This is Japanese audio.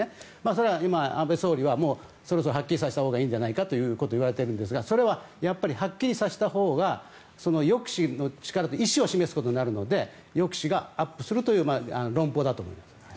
それは今、総理はそろそろはっきりさせたほうがいいんじゃないかということをいわれていますがそれはやっぱりはっきりさせたほうが意思を示すことになるので抑止がアップするという論法だと思います。